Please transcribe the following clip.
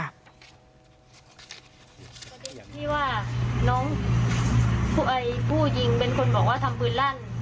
ประเด็นที่ว่าผู้ยิงเป็นคนบอกว่าทำพื้นรั่น